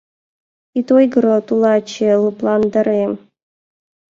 — Ит ойгыро, тулаче, — лыпландарем.